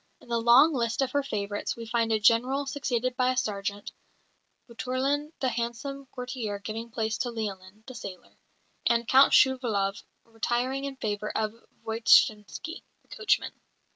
In the long list of her favourites we find a General succeeded by a Sergeant; Boutourlin, the handsome courtier, giving place to Lialin, the sailor; and Count Shouvalov retiring in favour of Voytshinsky, the coachman.